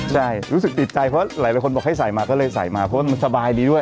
ใช่รู้สึกติดใจเพราะหลายคนบอกให้ใส่มาก็เลยใส่มาเพราะว่ามันสบายดีด้วย